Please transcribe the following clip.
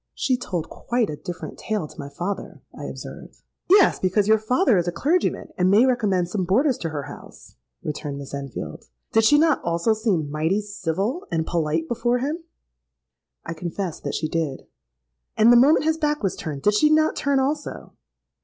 '—'She told quite a different tale to my father,' I observed.—'Yes, because your father is a clergyman, and may recommend some boarders to her house,' returned Miss Enfield. 'Did she not also seem mighty civil and polite before him?'—I confessed that she did.—'And the moment his back was turned, did she not turn also?'